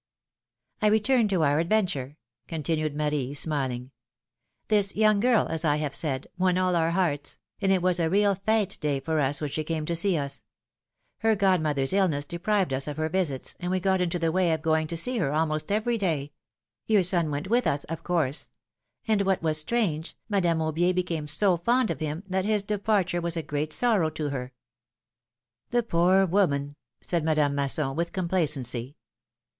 I return to our adventure," continued Marie, smiling ; ^Hhis young girl, as I have said, won all our hearts, and it was a real/e^e day for us when she came to see us; her godmother's illness deprived us of her visits, and we got into the way of going to see her almost every day — your son went with us, of course — and what Avas strange, Madame Aubier became so fond of him, that his departure Avas a great sorrow to her." The poor Avoman !" said Madame Masson, Avith com placency.